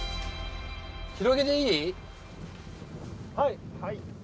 はい。